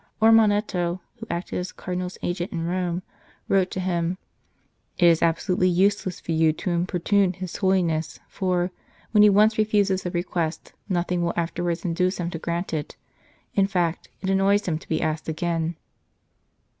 Ormaneto, who acted as the Cardinal s agent in Rome, wrote to him :" It is absolutely useless for you to importune His Holiness, for, when he once refuses a request, nothing will afterwards induce him to grant it ; in fact, it annoys him to be asked again."